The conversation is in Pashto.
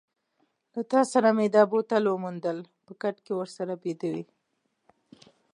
له تا سره مې دا بوتل وموندل، په کټ کې ورسره بیده وې.